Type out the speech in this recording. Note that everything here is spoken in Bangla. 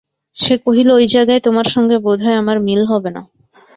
সে কহিল, ঐ জায়গায় তোমার সঙ্গে বোধ হয় আমার মিল হবে না।